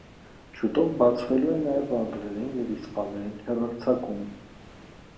Շուտով բացվելու է նաև անգլերեն և իսպաներեն հեռարձակում։